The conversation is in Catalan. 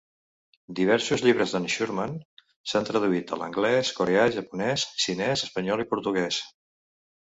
Diversos llibres d"en Schuurman s"han traduït a l"anglès, coreà, japonès, xinès, espanyol i portuguès.